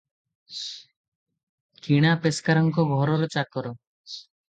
କିଣା ପେସ୍କାରଙ୍କ ଘରର ଚାକର ।